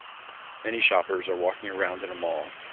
Many shoppers are walking around in a mall.